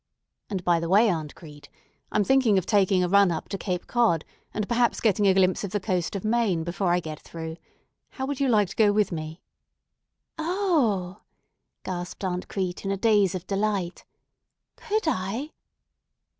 And, by the way, Aunt Crete, I'm thinking of taking a run up to Cape Cod, and perhaps getting a glimpse of the coast of Maine before I get through. How would you like to go with me?" "Oh!" gasped Aunt Crete in a daze of delight. "Could I?"